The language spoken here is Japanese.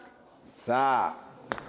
さあ。